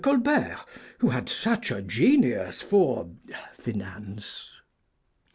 Colbert, who had such a genius for finance.